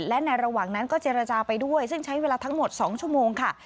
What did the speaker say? และในระหว่างนั้นก็เจรจาไปด้วยซึ่งใช้เวลาทั้งหมด๒ชั่วโมงค่ะ